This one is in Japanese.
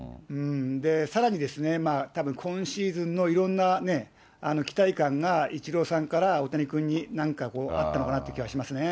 さらに、たぶん、今シーズンのいろんな期待感が、イチローさんから大谷君に、何かこう、あったのかなという気がしますね。